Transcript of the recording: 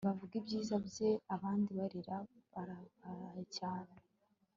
bavuga ibyiza bye abndi barira bababayecyane